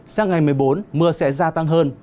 sang ngày một mươi bốn mưa sẽ gia tăng hơn